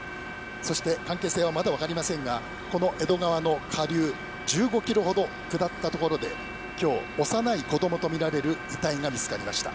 そして、関係性はまだ分かりませんがこの江戸川の下流１５ｋｍほど下ったところで今日、幼い子供とみられる遺体が見つかりました。